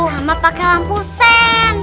sama pake lampu sen